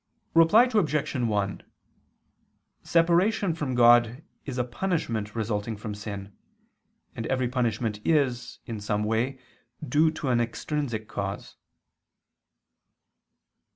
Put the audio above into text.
Reply Obj. 1: Separation from God is a punishment resulting from sin: and every punishment is, in some way, due to an extrinsic cause.